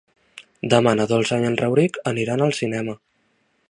Demà na Dolça i en Rauric aniran al cinema.